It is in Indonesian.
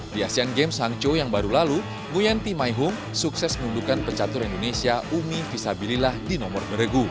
di asean games hangzhou yang baru lalu muen thi mai hung sukses mengunduhkan pecatur indonesia umi visabilillah di nomor meregu